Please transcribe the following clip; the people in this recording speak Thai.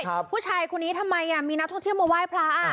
ผู้ชายคนนี้ทำไมอ่ะมีนักท่องเที่ยวมาไหว้พระอ่ะ